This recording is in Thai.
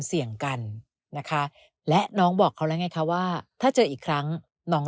เสี่ยงกันนะคะและน้องบอกเขาแล้วไงคะว่าถ้าเจออีกครั้งน้อง